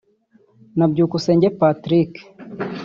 na Byukusenge Patrick